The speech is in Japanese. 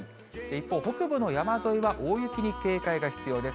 一方北部の山沿いは大雪に警戒が必要です。